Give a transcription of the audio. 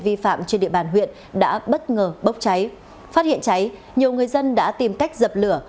vi phạm trên địa bàn huyện đã bất ngờ bốc cháy phát hiện cháy nhiều người dân đã tìm cách dập lửa